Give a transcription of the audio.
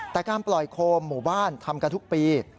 แต่การปล่อยโคมหมู่บ้านทำกันทุกปี